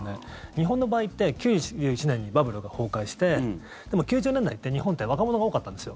日本の場合って９１年にバブルが崩壊してでも９０年代って日本って若者が多かったんです。